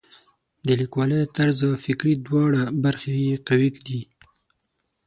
د لیکوالۍ طرز او فکري دواړه برخې یې قوي دي.